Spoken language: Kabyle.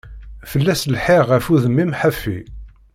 Fell-as lḥiɣ ɣef udmim ḥafi.